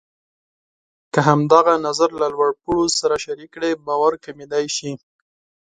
که همدغه نظر له لوړ پوړو سره شریک کړئ، باور کمېدای شي.